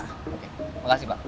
oke terima kasih pak